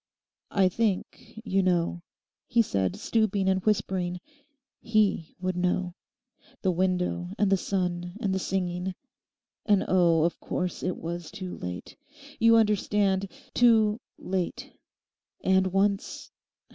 'I think, you know,' he said, stooping and whispering, 'he would know—the window and the sun and the singing. And oh, of course it was too late. You understand—too late. And once...